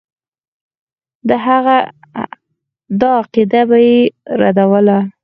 د هغه دا عقیده به یې ردوله.